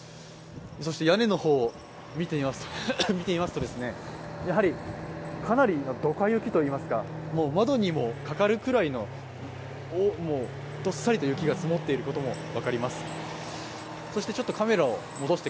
そして屋根の方を見てみますと、かなりのドカ雪といいますか窓にもかかるぐらいのどっさりと雪が積もっていることも分かります。